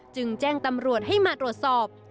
จึงแจ้งตำรวจให้มาตรวจสอบ